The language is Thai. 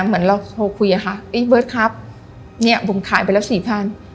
เหมือนเราโทรคุยอะค่ะเอ๊เบิร์ตครับเนี่ยผมขายไปแล้วสี่พัน